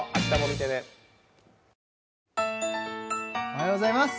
おはようございます